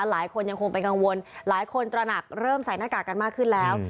หลายคนยังคงเป็นกังวลหลายคนตระหนักเริ่มใส่หน้ากากกันมากขึ้นแล้ว